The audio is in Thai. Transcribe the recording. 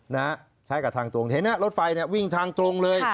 เห็นไหมรถไฟวิ่งทางตรงเลย